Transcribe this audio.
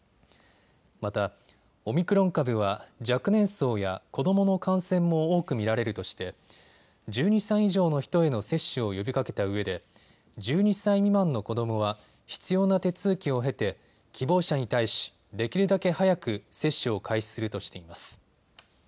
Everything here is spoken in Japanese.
また、オミクロン株は若年層や子どもの感染も多く見られるとして１２歳以上の人への接種を呼びかけたうえで１２歳未満の子どもは必要な手続きを経て希望者に対し、できるだけ早く接種を開始するとしています。